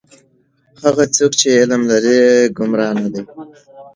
هغه څوک چې علم لري گمراه نه دی.